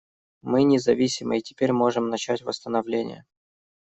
Мы независимы и теперь можем начать восстановление.